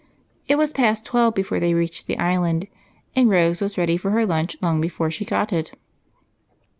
It was past twelve before they reached the Island, and Rose was ready for her lunch long before she got it.